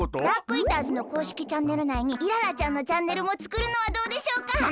ダークイーターズのこうしきチャンネルないにイララちゃんのチャンネルもつくるのはどうでしょうか？